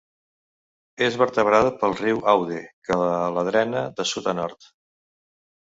És vertebrada pel riu Aude, que la drena de sud a nord.